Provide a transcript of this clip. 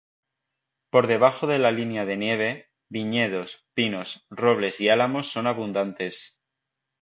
Por debajo de la línea de nieve viñedos, pinos, robles y álamos son abundantes.